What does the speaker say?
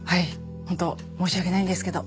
ホント申し訳ないんですけど。